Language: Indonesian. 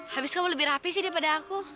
habis kamu lebih rapi sih daripada aku